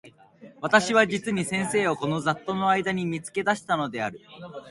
私は実に先生をこの雑沓（ざっとう）の間（あいだ）に見付け出したのである。